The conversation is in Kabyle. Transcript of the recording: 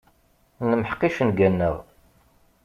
Nemḥeq icenga-nneɣ.